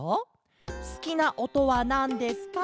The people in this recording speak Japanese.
「すきなおとはなんですか？」